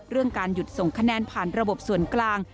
เรื่องการหยุดส่งคะแนนผ่านระบบส่วนกลาง